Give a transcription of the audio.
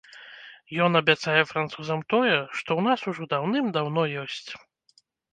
Ён абяцае французам тое, што ў нас ужо даўным даўно ёсць.